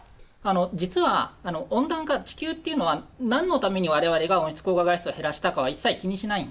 実は温暖化地球っていうのは何のために我々が温室効果ガスを減らしたかは一切気にしないんですね。